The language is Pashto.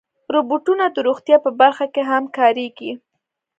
روبوټونه د روغتیا په برخه کې هم کارېږي.